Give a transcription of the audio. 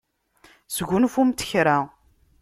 Sgunfumt kra.